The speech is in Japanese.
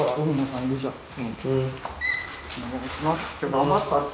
今日頑張ったって。